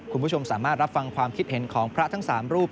คุณผู้ชมสามารถรับฟังความคิดเห็นของพระทั้ง๓รูป